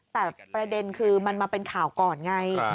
แต่ประเด็นคือมันมาเป็นข่าวก่อนไง